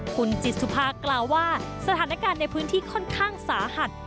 คุณจิตสุภากล่าวว่าสถานการณ์ในพื้นที่ค่อนข้างสาหัส